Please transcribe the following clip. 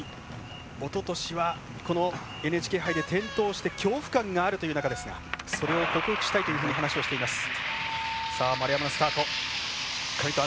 おととしは、このＮＨＫ杯で転倒して恐怖感があるという中ですがそれを克服したいというふうに話をしています。